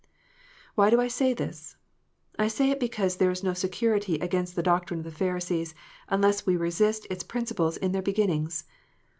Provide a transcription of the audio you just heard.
Why do I say this ? I say it because there is no security against the doctrine of the Pharisees, unless we resist its prin ciples in their beginnings.